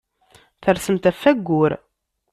Tersemt ɣef wayyur.